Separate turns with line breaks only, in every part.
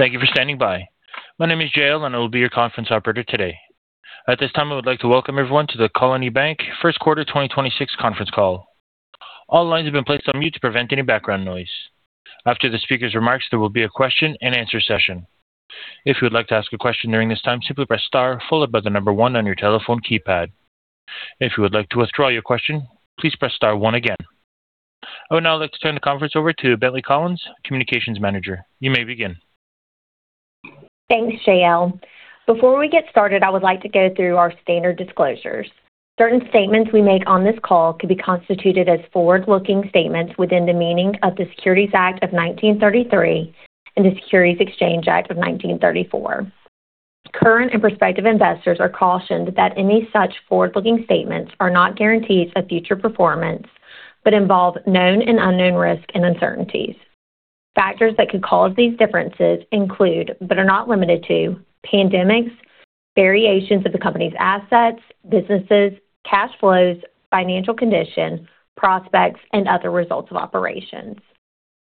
Thank you for standing by. My name is JL, and I will be your conference operator today. At this time, I would like to welcome everyone to the Colony Bank First Quarter 2026 conference call. All lines have been placed on mute to prevent any background noise. After the speaker's remarks, there will be a question and answer session. If you would like to ask a question during this time, simply press star followed by the number one on your telephone keypad. If you would like to withdraw your question, please press star one again. I would now like to turn the conference over to Brantley Collins, Communications Manager. You may begin.
Thanks, JL Before we get started, I would like to go through our standard disclosures. Certain statements we make on this call could be constituted as forward-looking statements within the meaning of the Securities Act of 1933 and the Securities Exchange Act of 1934. Current and prospective investors are cautioned that any such forward-looking statements are not guarantees of future performance, but involve known and unknown risks and uncertainties. Factors that could cause these differences include, but are not limited to pandemics, variations of the company's assets, businesses, cash flows, financial conditions, prospects, and other results of operations.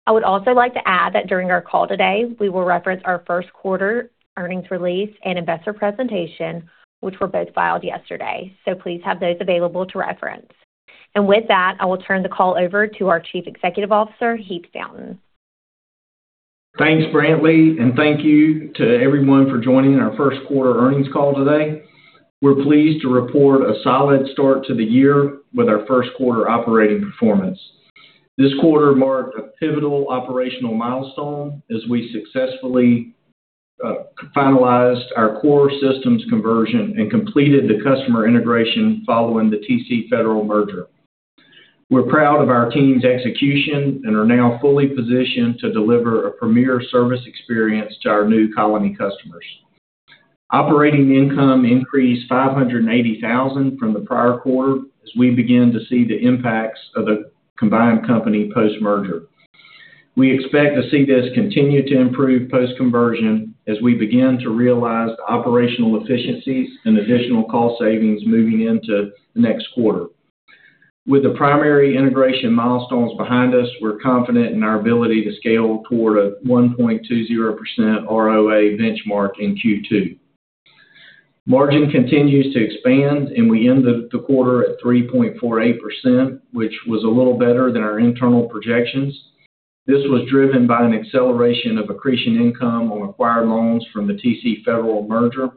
I would also like to add that during our call today, we will reference our first quarter earnings release and investor presentation, which were both filed yesterday. Please have those available to reference. With that, I will turn the call over to our Chief Executive Officer, Heath Fountain.
Thanks, Brantley, and thank you to everyone for joining our first quarter earnings call today. We're pleased to report a solid start to the year with our first quarter operating performance. This quarter marked a pivotal operational milestone as we successfully finalized our core systems conversion and completed the customer integration following the TC Federal merger. We're proud of our team's execution and are now fully positioned to deliver a premier service experience to our new Colony customers. Operating income increased $580,000 from the prior quarter as we begin to see the impacts of the combined company post-merger. We expect to see this continue to improve post-conversion as we begin to realize the operational efficiencies and additional cost savings moving into the next quarter. With the primary integration milestones behind us, we're confident in our ability to scale toward a 1.20% ROA benchmark in Q2. Margin continues to expand, and we end the quarter at 3.48%, which was a little better than our internal projections. This was driven by an acceleration of accretion income on acquired loans from the TC Federal merger.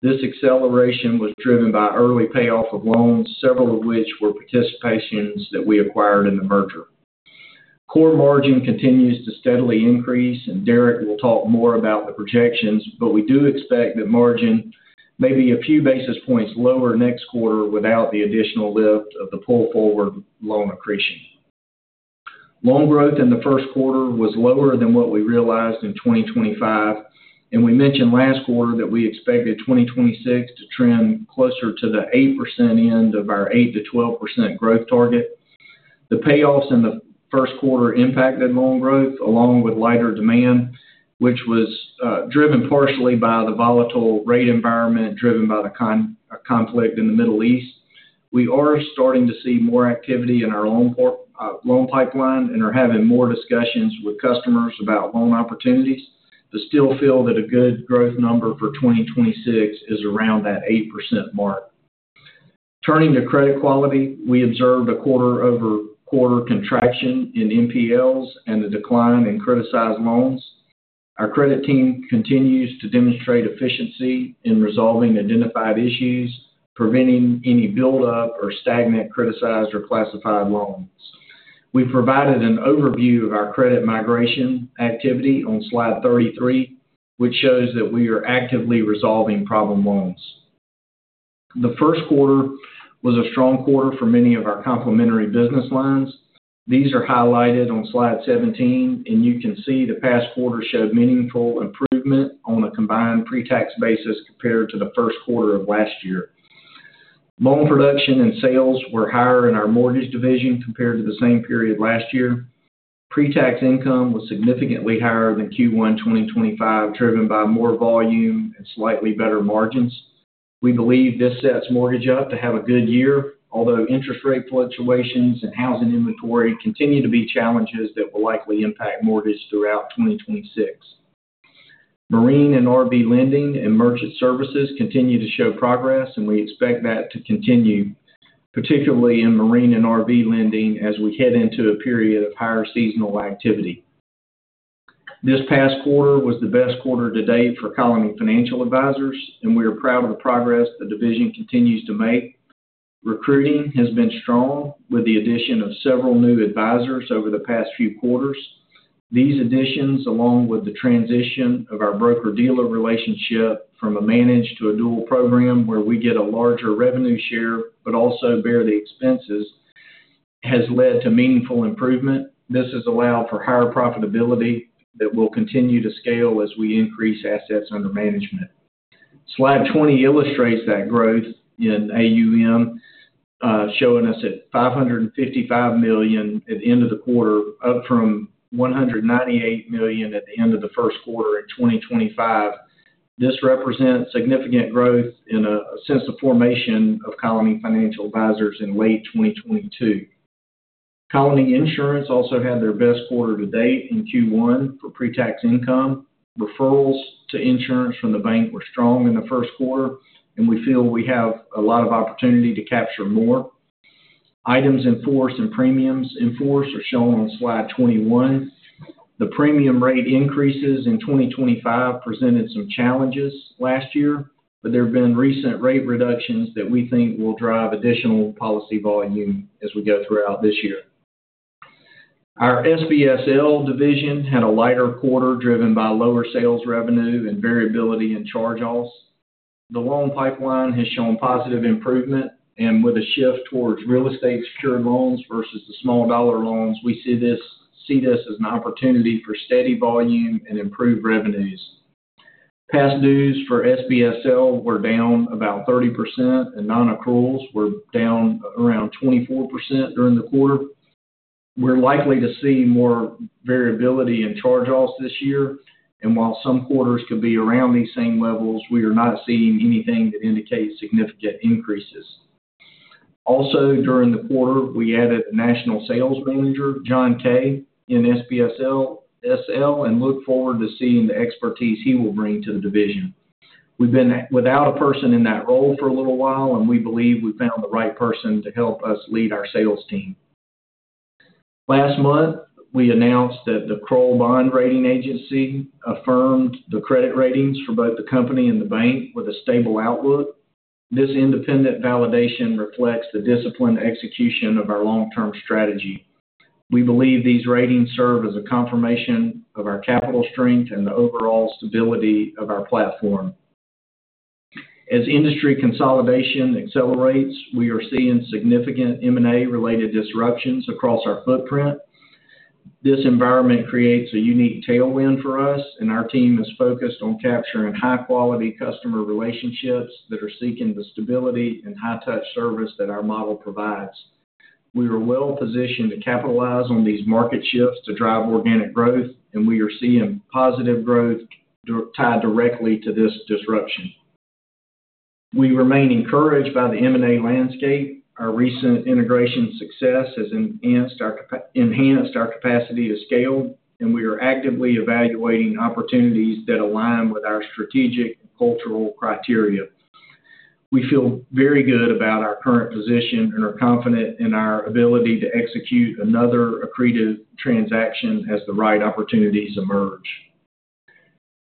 This acceleration was driven by early payoff of loans, several of which were participations that we acquired in the merger. Core margin continues to steadily increase, and Derek will talk more about the projections, but we do expect that margin may be a few basis points lower next quarter without the additional lift of the pull-forward loan accretion. Loan growth in the first quarter was lower than what we realized in 2025, and we mentioned last quarter that we expected 2026 to trend closer to the 8% end of our 8%-12% growth target. The payoffs in the first quarter impacted loan growth along with lighter demand, which was driven partially by the volatile rate environment driven by the conflict in the Middle East. We are starting to see more activity in our loan pipeline and are having more discussions with customers about loan opportunities but still feel that a good growth number for 2026 is around that 8% mark. Turning to credit quality, we observed a quarter-over-quarter contraction in NPLs and a decline in criticized loans. Our credit team continues to demonstrate efficiency in resolving identified issues, preventing any buildup or stagnant criticized or classified loans. We provided an overview of our credit migration activity on slide 33, which shows that we are actively resolving problem loans. The first quarter was a strong quarter for many of our complementary business lines. These are highlighted on slide 17, and you can see the past quarter showed meaningful improvement on a combined pre-tax basis compared to the first quarter of last year. Loan production and sales were higher in our mortgage division compared to the same period last year. Pre-tax income was significantly higher than Q1 2025, driven by more volume and slightly better margins. We believe this sets mortgage up to have a good year, although interest rate fluctuations and housing inventory continue to be challenges that will likely impact mortgage throughout 2026. Marine and RV Lending and Merchant Services continue to show progress, and we expect that to continue, particularly in Marine and RV Lending as we head into a period of higher seasonal activity. This past quarter was the best quarter to date for Colony Financial Advisors, and we are proud of the progress the division continues to make. Recruiting has been strong with the addition of several new advisors over the past few quarters. These additions, along with the transition of our broker-dealer relationship from a managed to a dual program where we get a larger revenue share but also bear the expenses, has led to meaningful improvement. This has allowed for higher profitability that will continue to scale as we increase assets under management. Slide 20 illustrates that growth in AUM, showing us at $555 million at the end of the quarter, up from $198 million at the end of the first quarter in 2025. This represents significant growth since the formation of Colony Financial Advisors in late 2022. Colony Insurance also had their best quarter to date in Q1 for pre-tax income. Referrals to insurance from the bank were strong in the first quarter, and we feel we have a lot of opportunity to capture more. Items in force and premiums in force are shown on slide 21. The premium rate increases in 2025 presented some challenges last year, but there have been recent rate reductions that we think will drive additional policy volume as we go throughout this year. Our SBSL division had a lighter quarter, driven by lower sales revenue and variability in charge-offs. The loan pipeline has shown positive improvement, and with a shift towards real estate secured loans versus the small dollar loans, we see this as an opportunity for steady volume and improved revenues. Past dues for SBSL were down about 30%, and nonaccruals were down around 24% during the quarter. We're likely to see more variability in charge-offs this year, and while some quarters could be around these same levels, we are not seeing anything that indicates significant increases. Also, during the quarter, we added National Sales Manager John Kay in SBSL and look forward to seeing the expertise he will bring to the division. We've been without a person in that role for a little while, and we believe we found the right person to help us lead our sales team. Last month, we announced that the Kroll Bond Rating Agency affirmed the credit ratings for both the company and the bank with a stable outlook. This independent validation reflects the disciplined execution of our long-term strategy. We believe these ratings serve as a confirmation of our capital strength and the overall stability of our platform. As industry consolidation accelerates, we are seeing significant M&A-related disruptions across our footprint. This environment creates a unique tailwind for us, and our team is focused on capturing high-quality customer relationships that are seeking the stability and high-touch service that our model provides. We are well-positioned to capitalize on these market shifts to drive organic growth, and we are seeing positive growth tied directly to this disruption. We remain encouraged by the M&A landscape. Our recent integration success has enhanced our capacity to scale, and we are actively evaluating opportunities that align with our strategic cultural criteria. We feel very good about our current position and are confident in our ability to execute another accretive transaction as the right opportunities emerge.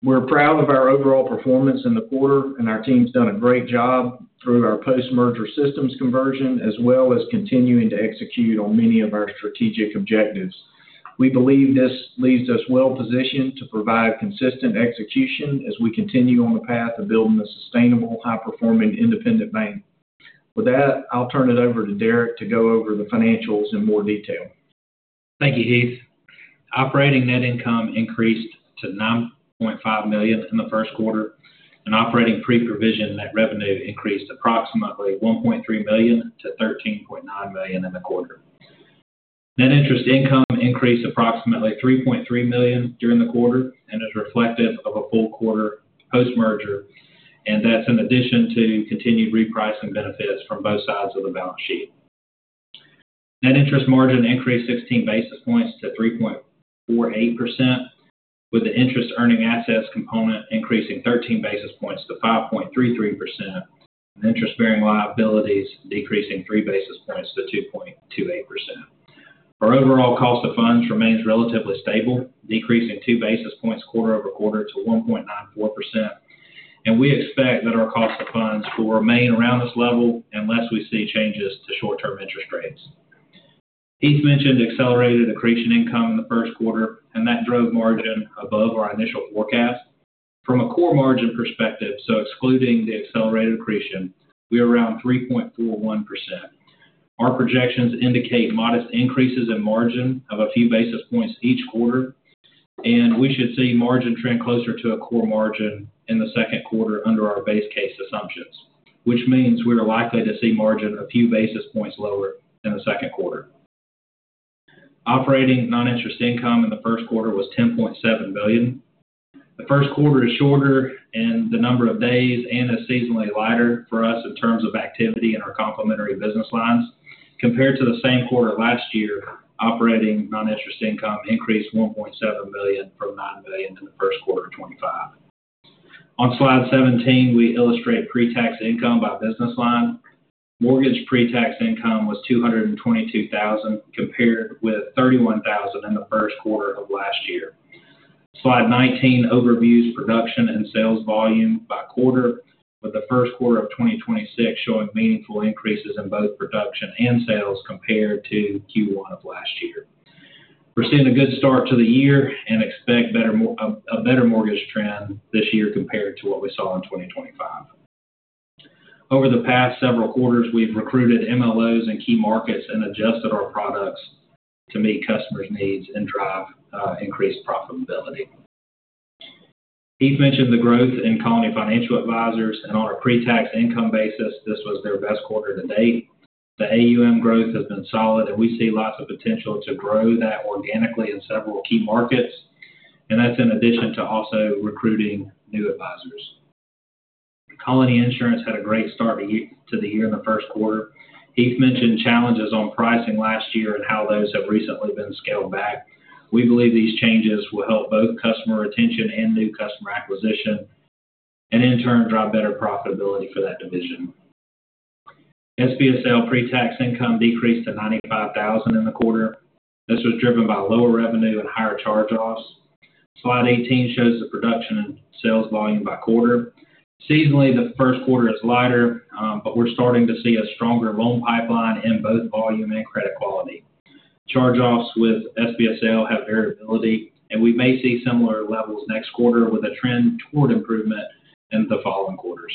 We're proud of our overall performance in the quarter, and our team's done a great job through our post-merger systems conversion, as well as continuing to execute on many of our strategic objectives. We believe this leaves us well positioned to provide consistent execution as we continue on the path of building a sustainable, high-performing independent bank. With that, I'll turn it over to Derek to go over the financials in more detail.
Thank you, Heath. Operating net income increased to $9.5 million in the first quarter, and operating pre-provision net revenue increased approximately $1.3 million to $13.9 million in the quarter. Net interest income increased approximately $3.3 million during the quarter and is reflective of a full quarter post-merger, and that's in addition to continued repricing benefits from both sides of the balance sheet. Net interest margin increased 16 basis points to 3.48%, with the interest earning assets component increasing 13 basis points to 5.33%, and interest-bearing liabilities decreasing 3 basis points to 2.28%. Our overall cost of funds remains relatively stable, decreasing 2 basis points quarter-over-quarter to 1.94%. We expect that our cost of funds will remain around this level unless we see changes to short-term interest rates. Heath mentioned accelerated accretion income in the first quarter, and that drove margin above our initial forecast. From a core margin perspective, so excluding the accelerated accretion, we are around 3.41%. Our projections indicate modest increases in margin of a few basis points each quarter, and we should see margin trend closer to a core margin in the second quarter under our base case assumptions, which means we are likely to see margin a few basis points lower in the second quarter. Operating non-interest income in the first quarter was $10.7 million. The first quarter is shorter in the number of days and is seasonally lighter for us in terms of activity in our complementary business lines. Compared to the same quarter last year, operating non-interest income increased $1.7 million from $9 million in the first quarter of 2025. On slide 17, we illustrate pre-tax income by business line. Mortgage pre-tax income was $222,000, compared with $31,000 in the first quarter of last year. Slide 19 overviews production and sales volume by quarter, with the first quarter of 2026 showing meaningful increases in both production and sales compared to Q1 of last year. We're seeing a good start to the year and expect a better mortgage trend this year compared to what we saw in 2025. Over the past several quarters, we've recruited MLOs in key markets and adjusted our products to meet customers' needs and drive increased profitability. Heath mentioned the growth in Colony Financial Advisors, and on a pre-tax income basis, this was their best quarter to date. The AUM growth has been solid, and we see lots of potential to grow that organically in several key markets, and that's in addition to also recruiting new advisors. Colony Insurance had a great start to the year in the first quarter. Heath mentioned challenges on pricing last year and how those have recently been scaled back. We believe these changes will help both customer retention and new customer acquisition, and in turn, drive better profitability for that division. SBSL pre-tax income decreased to $95,000 in the quarter. This was driven by lower revenue and higher charge-offs. Slide 18 shows the production and sales volume by quarter. Seasonally, the first quarter is lighter, but we're starting to see a stronger loan pipeline in both volume and credit quality. Charge-offs with SBSL have variability, and we may see similar levels next quarter with a trend toward improvement in the following quarters.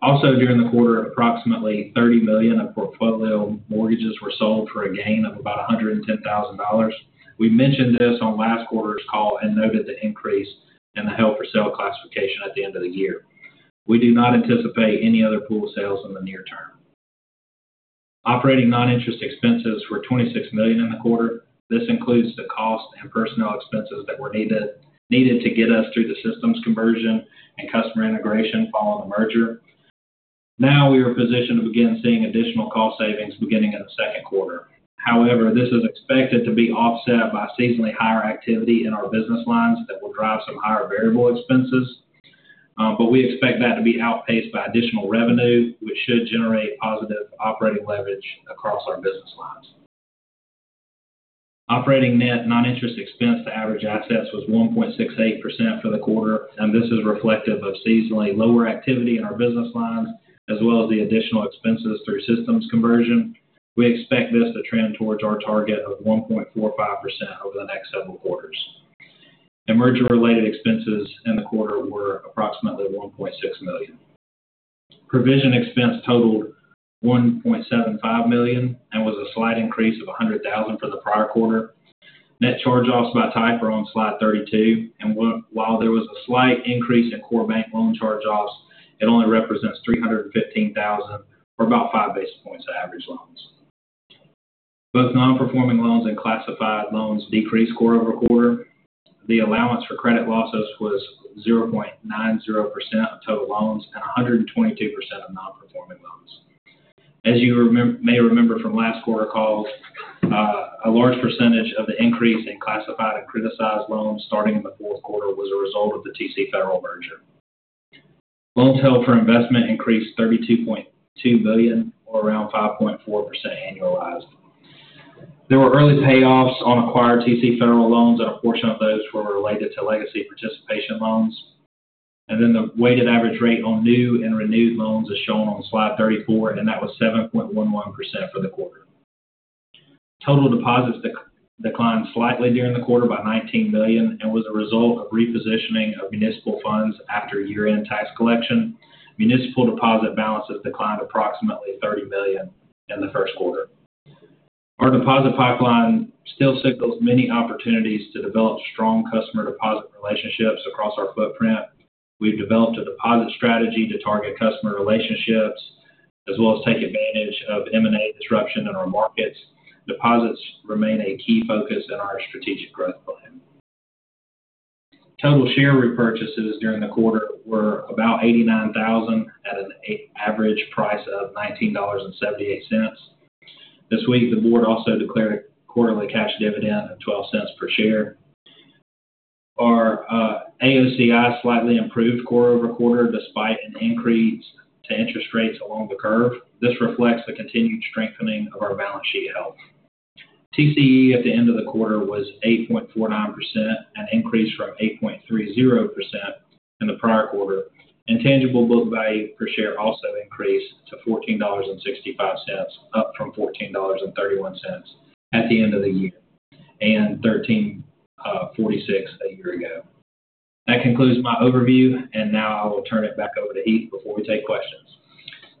Also during the quarter, approximately $30 million of portfolio mortgages were sold for a gain of about $110,000. We mentioned this on last quarter's call and noted the increase in the held for sale classification at the end of the year. We do not anticipate any other pool sales in the near term. Operating non-interest expenses were $26 million in the quarter. This includes the cost and personnel expenses that were needed to get us through the systems conversion and customer integration following the merger. Now we are positioned to begin seeing additional cost savings beginning in the second quarter. However, this is expected to be offset by seasonally higher activity in our business lines that will drive some higher variable expenses. We expect that to be outpaced by additional revenue, which should generate positive operating leverage across our business lines. Operating net non-interest expense to average assets was 1.68% for the quarter, and this is reflective of seasonally lower activity in our business lines, as well as the additional expenses through systems conversion. We expect this to trend towards our target of 1.45% over the next several quarters. Merger-related expenses in the quarter were approximately $1.6 million. Provision expense totaled $1.75 million and was a slight increase of $100,000 for the prior quarter. Net charge-offs by type are on slide 32, and while there was a slight increase in core bank loan charge-offs, it only represents $315,000 or about five basis points of average loans. Both non-performing loans and classified loans decreased quarter-over-quarter. The allowance for credit losses was 0.90% of total loans and 122% of non-performing loans. As you may remember from last quarter call, a large percentage of the increase in classified and criticized loans starting in the fourth quarter was a result of the TC Federal merger. Loans held for investment increased $32.2 million or around 5.4% annualized. There were early payoffs on acquired TC Federal loans, and a portion of those were related to legacy participation loans. The weighted average rate on new and renewed loans is shown on slide 34, and that was 7.11% for the quarter. Total deposits declined slightly during the quarter by $19 million and was a result of repositioning of municipal funds after year-end tax collection. Municipal deposit balances declined approximately $30 million in the first quarter. Our deposit pipeline still signals many opportunities to develop strong customer deposit relationships across our footprint. We've developed a deposit strategy to target customer relationships, as well as take advantage of M&A disruption in our markets. Deposits remain a key focus in our strategic growth plan. Total share repurchases during the quarter were about 89,000 at an average price of $19.78. This week, the board also declared a quarterly cash dividend of $0.12 per share. Our AOCI slightly improved quarter-over-quarter, despite an increase to interest rates along the curve. This reflects the continued strengthening of our balance sheet health. TCE at the end of the quarter was 8.49%, an increase from 8.30% in the prior quarter, and tangible book value per share also increased to $14.65, up from $14.31 at the end of the year, and $13.46 a year ago. That concludes my overview, and now I will turn it back over to Heath before we take questions.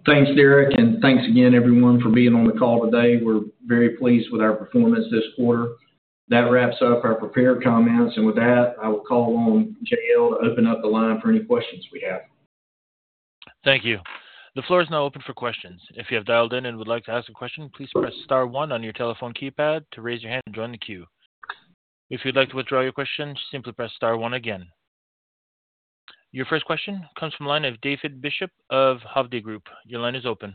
Thanks, Derek, and thanks again, everyone, for being on the call today. We're very pleased with our performance this quarter. That wraps up our prepared comments, and with that, I will call on JL to open up the line for any questions we have.
Thank you. The floor is now open for questions. If you have dialed in and would like to ask a question, please press star one on your telephone keypad to raise your hand and join the queue. If you'd like to withdraw your question, simply press star one again. Your first question comes from the line of David Bishop of Hovde Group. Your line is open.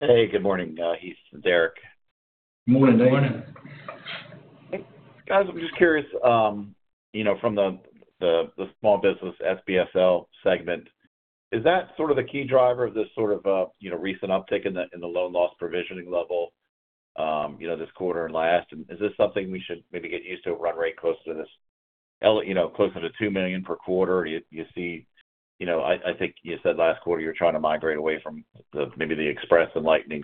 Hey, good morning, Heath and Derek.
Morning, Dave.
Morning.
Guys, I'm just curious, from the small business SBSL segment, is that sort of the key driver of this sort of recent uptick in the loan loss provisioning level this quarter and last? Is this something we should maybe get used to run rate closer to this, closer to $2 million per quarter? I think you said last quarter you're trying to migrate away from maybe the Express and Lightning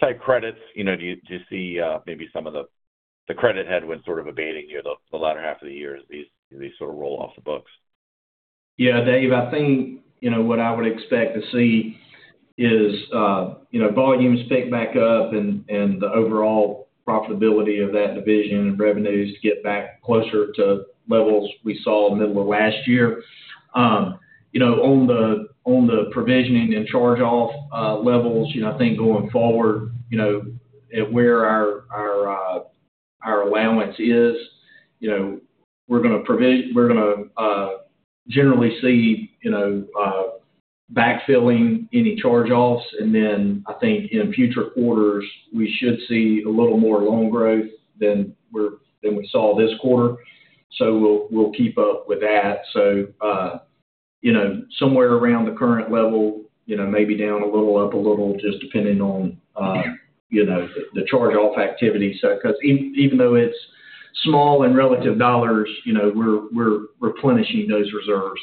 type credits. Do you see maybe some of the credit headwinds sort of abating here the latter half of the year as these sort of roll off the books?
Yeah, Dave, I think what I would expect to see is volumes pick back up and the overall profitability of that division and revenues to get back closer to levels we saw middle of last year. On the provisioning and charge-off levels, I think going forward, at where our allowance is. We're going to generally see backfilling any charge-offs. I think in future quarters, we should see a little more loan growth than we saw this quarter. We'll keep up with that. Somewhere around the current level, maybe down a little, up a little, just depending on the charge-off activity. Because even though it's small in relative dollars, we're replenishing those reserves.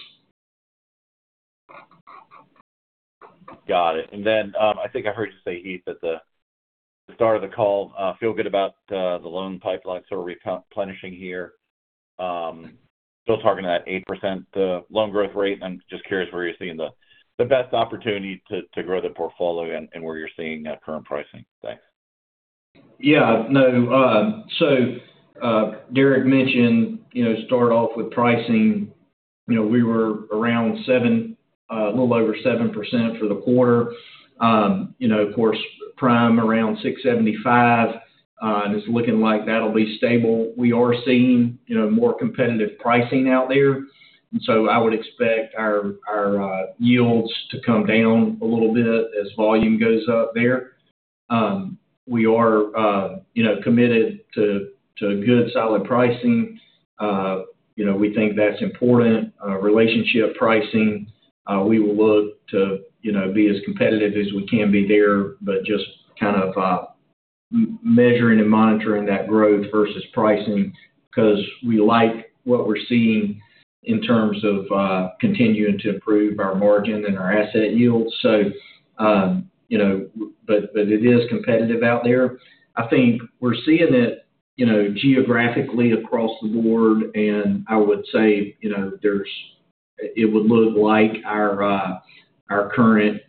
Got it. Then, I think I heard you say, Heath, at the start of the call, feel good about the loan pipeline sort of replenishing here. Still targeting that 8% loan growth rate. I'm just curious where you're seeing the best opportunity to grow the portfolio and where you're seeing that current pricing. Thanks.
Yeah. Derek mentioned, start off with pricing. We were a little over 7% for the quarter. Of course, prime around 6.75, and it's looking like that'll be stable. We are seeing more competitive pricing out there, and so I would expect our yields to come down a little bit as volume goes up there. We are committed to good, solid pricing. We think that's important. Relationship pricing, we will look to be as competitive as we can be there, but just kind of measuring and monitoring that growth versus pricing, because we like what we're seeing in terms of continuing to improve our margin and our asset yield. It is competitive out there. I think we're seeing it geographically across the board, and I would say it would look like our current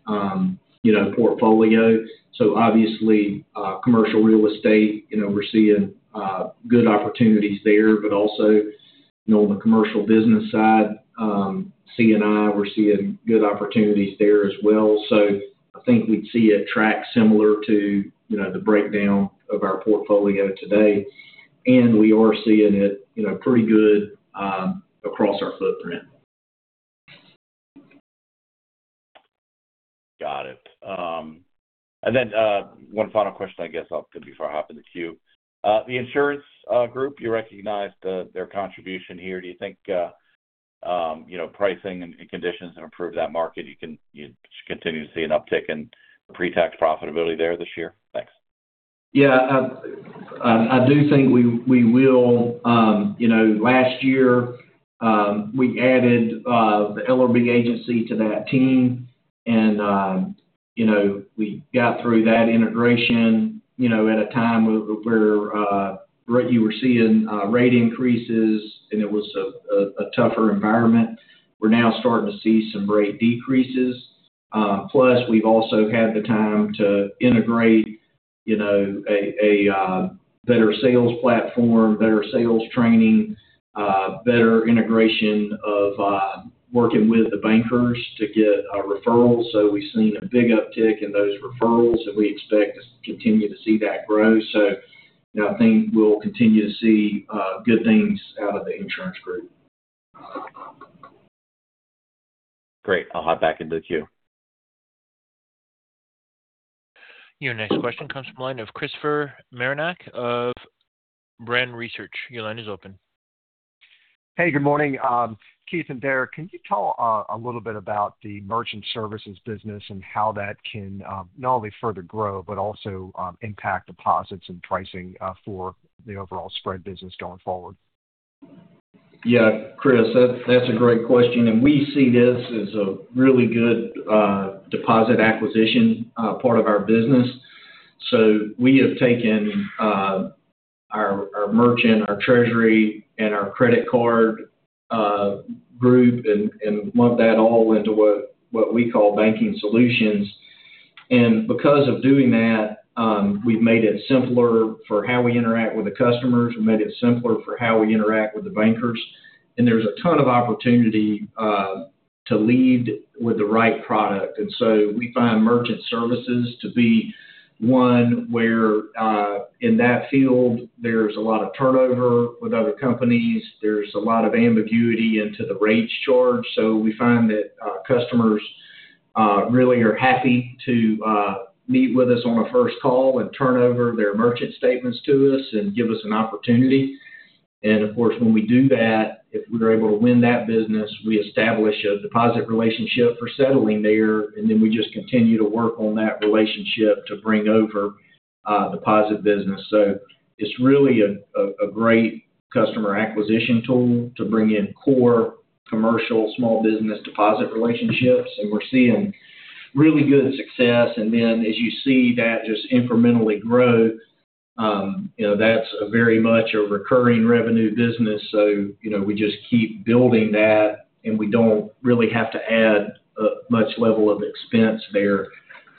portfolio. Obviously, commercial real estate, we're seeing good opportunities there, but also on the commercial business side, C&I, we're seeing good opportunities there as well. I think we'd see a track similar to the breakdown of our portfolio today. We are seeing it pretty good across our footprint.
Got it. One final question, I guess, before I hop in the queue. The insurance group, you recognized their contribution here. Do you think pricing and conditions have improved that market? You continue to see an uptick in pre-tax profitability there this year? Thanks.
Yeah. I do think we will. Last year, we added the Ellerbe Agency to that team, and we got through that integration at a time where you were seeing rate increases, and it was a tougher environment. We're now starting to see some rate decreases. Plus, we've also had the time to integrate a better sales platform, better sales training, better integration of working with the bankers to get referrals. So we've seen a big uptick in those referrals, and we expect to continue to see that grow. I think we'll continue to see good things out of the insurance group.
Great. I'll hop back in the queue.
Your next question comes from the line of Christopher Marinac of Brean Capital. Your line is open.
Hey, good morning. Heath and Derek, can you tell a little bit about the Merchant Services business and how that can not only further grow, but also impact deposits and pricing for the overall spread business going forward?
Yeah, Chris, that's a great question. We see this as a really good deposit acquisition part of our business. We have taken our merchant, our treasury, and our credit card group and lumped that all into what we call banking solutions. Because of doing that, we've made it simpler for how we interact with the customers. We made it simpler for how we interact with the bankers. There's a ton of opportunity to lead with the right product. We find merchant services to be one where, in that field, there's a lot of turnover with other companies. There's a lot of ambiguity into the rates charged. We find that customers really are happy to meet with us on a first call and turnover their merchant statements to us and give us an opportunity. Of course, when we do that, if we're able to win that business, we establish a deposit relationship for settling there, and then we just continue to work on that relationship to bring over deposit business. It's really a great customer acquisition tool to bring in core commercial small business deposit relationships, and we're seeing really good success. As you see that just incrementally grow, that's very much a recurring revenue business. We just keep building that, and we don't really have to add much level of expense there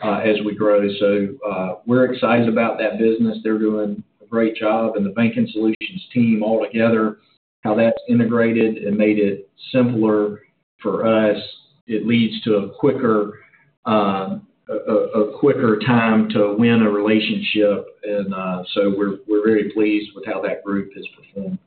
as we grow. We're excited about that business. They're doing a great job. The Banking Solutions team altogether, how that's integrated and made it simpler for us, it leads to a quicker A quicker time to win a relationship. We're very pleased with how that group has performed.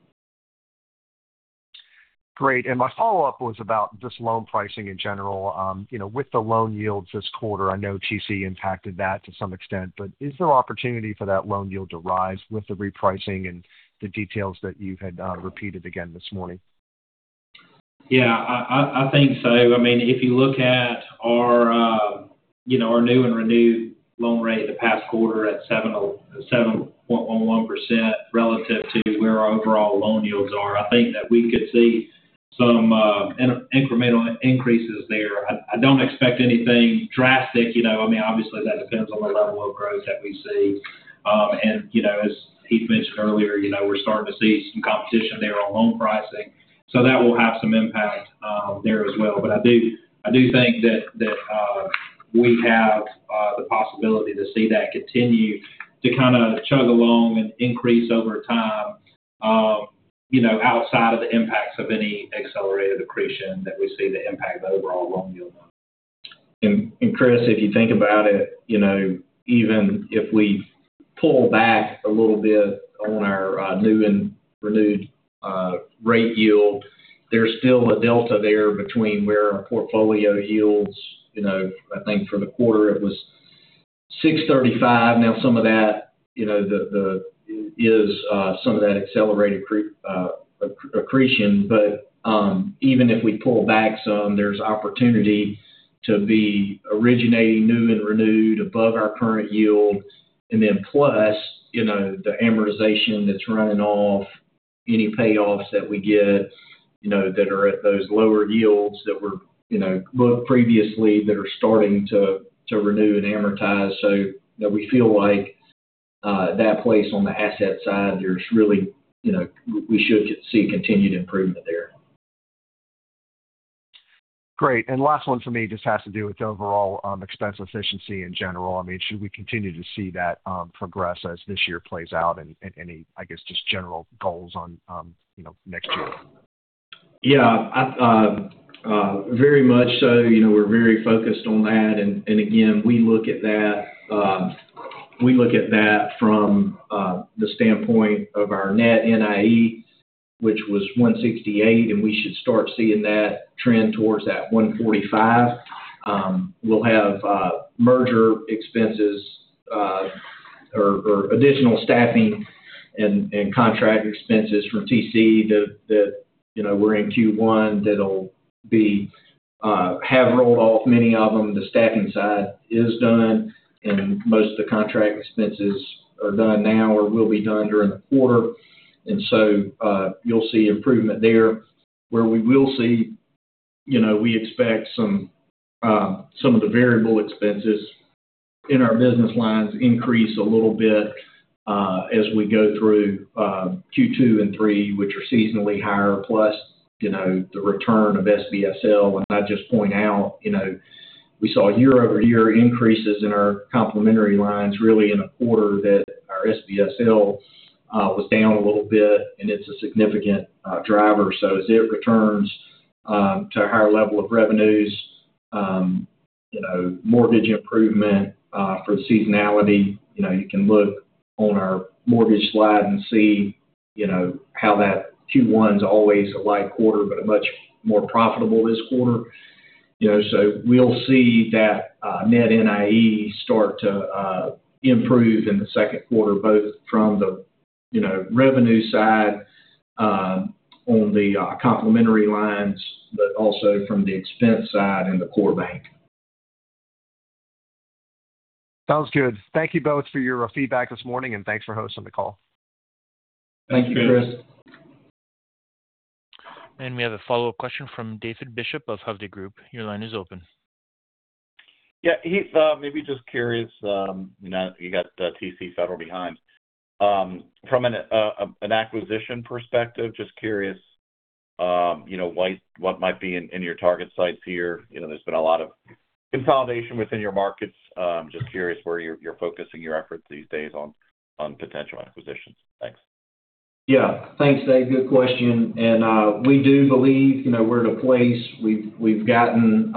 Great. My follow-up was about just loan pricing in general. With the loan yields this quarter, I know TC impacted that to some extent, but is there opportunity for that loan yield to rise with the repricing and the details that you've repeated again this morning?
Yeah, I think so. If you look at our new and renewed loan rate the past quarter at 7.11% relative to where our overall loan yields are, I think that we could see some incremental increases there. I don't expect anything drastic. Obviously, that depends on the level of growth that we see. As Heath mentioned earlier, we're starting to see some competition there on loan pricing. That will have some impact there as well. I do think that we have the possibility to see that continue to kind of chug along and increase over time, outside of the impacts of any accelerated accretion that we see the impact of overall loan yield on.
Chris, if you think about it, even if we pull back a little bit on our new and renewed rate yield, there's still a delta there between where our portfolio yields. I think for the quarter it was 6.35%. Now some of that is accelerated accretion. Even if we pull back some, there's opportunity to be originating new and renewed above our current yield. Then plus, the amortization that's running off any payoffs that we get that are at those lower yields that were booked previously that are starting to renew and amortize. We feel like that place on the asset side, we should see continued improvement there.
Great. Last one for me just has to do with overall expense efficiency in general. Should we continue to see that progress as this year plays out, and any, I guess, just general goals on next year?
Yeah. Very much so. We're very focused on that. Again, we look at that from the standpoint of our net NIE, which was 168, and we should start seeing that trend towards that 145. We'll have merger expenses or additional staffing and contract expenses from TC that we're in Q1 that'll have rolled off many of them. The staffing side is done, and most of the contract expenses are done now or will be done during the quarter. You'll see improvement there. Where we expect some of the variable expenses in our business lines increase a little bit as we go through Q2 and Q3, which are seasonally higher, plus the return of SBSL. I'd just point out, we saw year-over-year increases in our complementary lines, really in a quarter that our SBSL was down a little bit, and it's a significant driver. As it returns to a higher level of revenues, mortgage improvement for seasonality, you can look on our mortgage slide and see how that Q1 is always a light quarter, but much more profitable this quarter. We'll see that net NIE start to improve in the second quarter, both from the revenue side on the complementary lines, but also from the expense side and the core bank.
Sounds good. Thank you both for your feedback this morning, and thanks for hosting the call.
Thank you, Chris.
We have a follow-up question from David Bishop of Hovde Group. Your line is open.
Yeah. Heath, maybe just curious, you got TC Federal behind. From an acquisition perspective, just curious, what might be in your target sights here. There's been a lot of consolidation within your markets. Just curious where you're focusing your efforts these days on potential acquisitions. Thanks.
Yeah. Thanks, David. Good question. We do believe we're at a place, we've gotten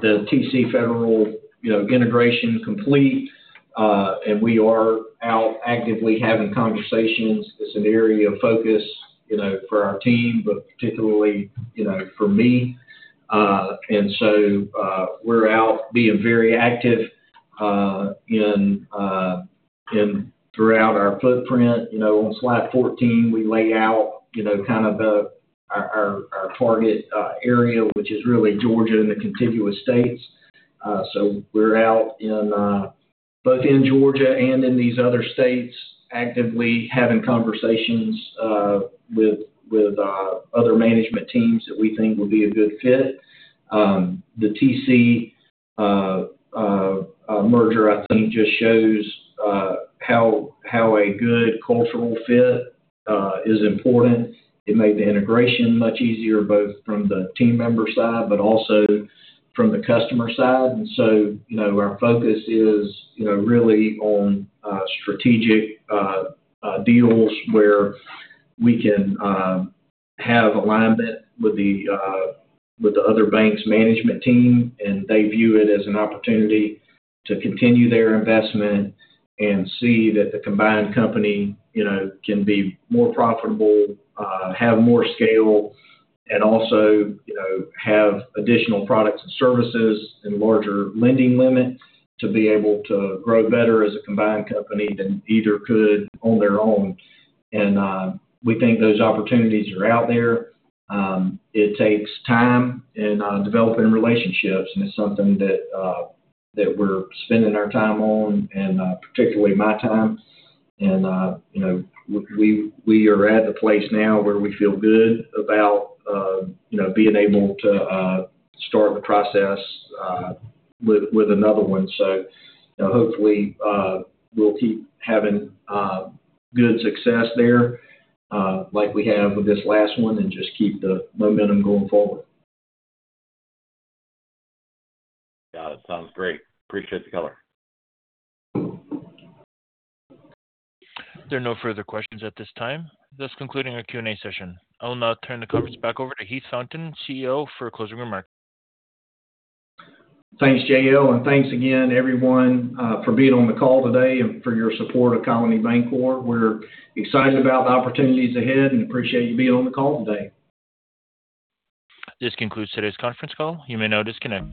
the TC Federal integration complete. We are out actively having conversations. It's an area of focus for our team, but particularly for me. We're out being very active throughout our footprint. On slide 14, we lay out kind of our target area, which is really Georgia and the contiguous states. We're out both in Georgia and in these other states actively having conversations with other management teams that we think will be a good fit. The TC merger, I think, just shows how a good cultural fit is important. It made the integration much easier, both from the team member side, but also from the customer side. Our focus is really on strategic deals where we can have alignment with the other bank's management team, and they view it as an opportunity to continue their investment and see that the combined company can be more profitable, have more scale, and also have additional products and services and larger lending limits to be able to grow better as a combined company than either could on their own. We think those opportunities are out there. It takes time in developing relationships, and it's something that we're spending our time on, and particularly my time. We are at the place now where we feel good about being able to start the process with another one. Hopefully, we'll keep having good success there, like we have with this last one, and just keep the momentum going forward.
Got it. Sounds great. Appreciate the color.
There are no further questions at this time. Thus concluding our Q&A session. I will now turn the conference back over to Heath Fountain, CEO, for closing remarks.
Thanks, JL. Thanks again, everyone, for being on the call today and for your support of Colony Bankcorp. We're excited about the opportunities ahead and appreciate you being on the call today.
This concludes today's conference call. You may now disconnect.